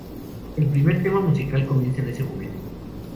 El primer tema musical comienza en ese momento.